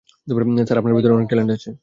Sir, আপনার ভেতরে অনেক ট্যালেন্ট আছে।